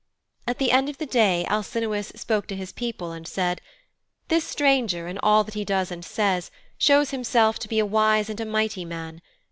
At the end of the day Alcinous spoke to his people and said, 'This stranger, in all that he does and says, shows himself to be a wise and a mighty man.